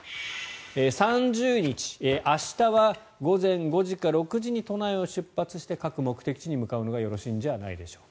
３０日、明日は午前５時か６時に都内を出発して各目的に向かうのがよろしいんじゃないでしょうか。